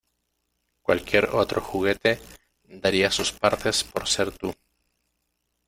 Cualquier otro juguete daría sus partes por ser tú.